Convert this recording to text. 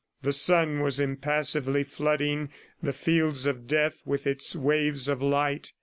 The sun was impassively flooding the fields of death with its waves of light.